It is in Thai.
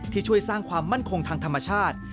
ช่วยสร้างความมั่นคงทางธรรมชาติ